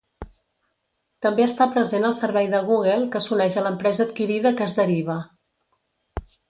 També està present el servei de Google que s'uneix a l'empresa adquirida que es deriva.